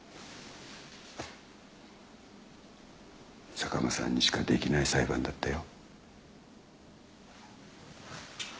坂間さんにしかできない裁判だったよ。